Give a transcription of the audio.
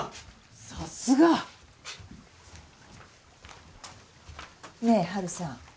さすが！ねえ春さん。